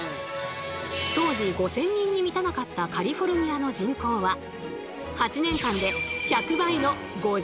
当時５，０００人に満たなかったカリフォルニアの人口は８年間で１００倍の５０万人にまで増加したんです！